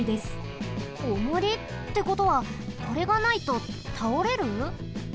おもり？ってことはこれがないとたおれる？